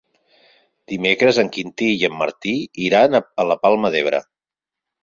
Dimecres en Quintí i en Martí iran a la Palma d'Ebre.